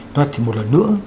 nó thì một lần nữa